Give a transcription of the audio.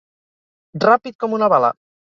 Ràpid com una bala.